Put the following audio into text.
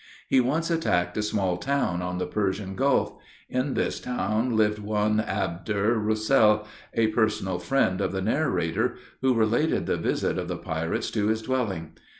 He once attacked a small town on the Persian Gulf. In this town lived one Abder Russel, a personal friend of the narrator, who related the visit of the pirates to his dwelling.